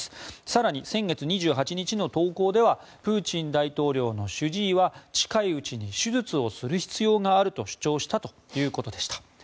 更に先月２８日の投稿ではプーチン大統領の主治医は近いうちに手術をする必要があると主張したということでした。